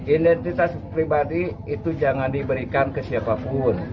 identitas pribadi itu jangan diberikan ke siapapun